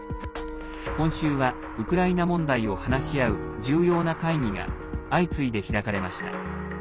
今週はウクライナ問題を話し合う重要な会議が相次いで開かれました。